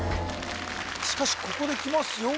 しかしここできますよ